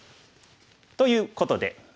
ということで。